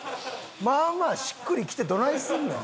まあまあしっくりきてどないすんねん。